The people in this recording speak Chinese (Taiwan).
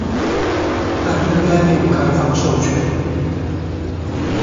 但應該沒有開放授權